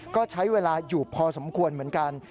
ก็ใช้เวลาอยู่พอสมควรเหมือนกัน